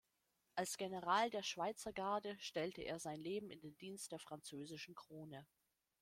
Als General der Schweizergarde stellte er sein Leben in den Dienst der französischen Krone.